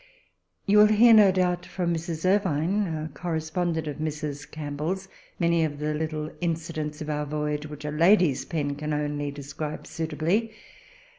You will hear, no doubt, from Mrs. Irvine a correspondent of Mrs. Campbell's many of the little incidents of our voyage, which a lady's pen can only describe suitably.